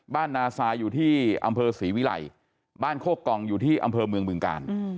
นาซาอยู่ที่อำเภอศรีวิลัยบ้านโคกองอยู่ที่อำเภอเมืองบึงกาล